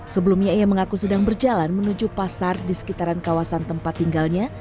sebelumnya ia mengaku sedang berjalan menuju pasar di sekitaran kawasan tempat tinggalnya